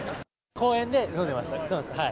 公園で飲んでました。